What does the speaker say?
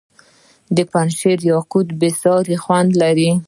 د پنجشیر توت بې ساري خوند لري.